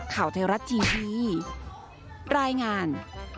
ข่าวไทยรัฐทีวีรายงาน